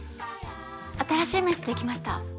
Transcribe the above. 新しい名刺できました。